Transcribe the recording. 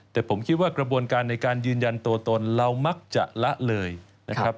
แต่ผมคิดว่ากระบวนการในการยืนยันตัวตนเรามักจะละเลยนะครับ